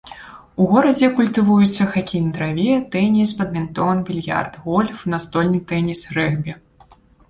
У горадзе культывуюцца хакей на траве, тэніс, бадмінтон, більярд, гольф, настольны тэніс, рэгбі.